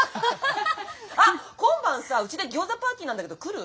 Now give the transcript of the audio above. あっ今晩さうちでギョーザパーティーなんだけど来る？